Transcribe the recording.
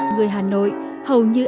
người hà nội hầu như